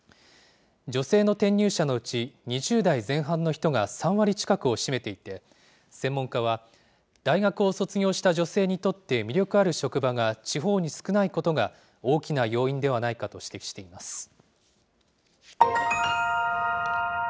女性の転入者のうち、２０代前半の人が３割近くを占めていて、専門家は、大学を卒業した女性にとって魅力ある職場が地方に少ないことが、大きな要因ではないかと指摘しています。